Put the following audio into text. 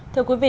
thưa quý vị